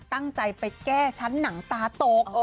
ตั้งใจไปแก้ชั้นหนังตาตก